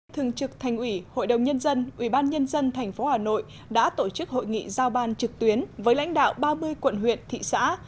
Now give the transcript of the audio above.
thường trực thành ủy hội đồng nhân dân ubnd tp hà nội đã tổ chức hội nghị giao ban trực tuyến với lãnh đạo ba mươi quận huyện thị xã